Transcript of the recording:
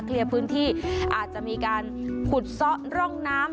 เคลียร์พื้นที่อาจจะมีการขุดซะร่องน้ำ